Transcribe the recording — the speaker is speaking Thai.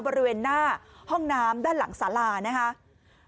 บริเวณหน้าห้องน้ำด้านหลังสารานะครับ